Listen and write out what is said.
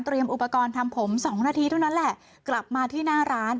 อุปกรณ์ทำผมสองนาทีเท่านั้นแหละกลับมาที่หน้าร้าน